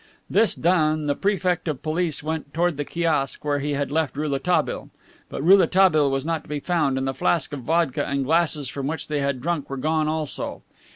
This done, the Prefect of Police went toward the kiosk where he had left Rouletabille. But Rouletabille was not to be found, and the flask of vodka and the glasses from which they had drunk were gone also.